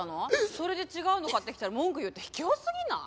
それで違うの買ってきたら文句言って卑怯すぎない？